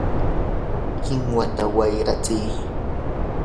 ¡kinwata wayratsiy!